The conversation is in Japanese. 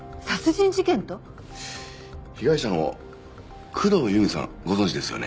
被害者の工藤由美さんご存じですよね？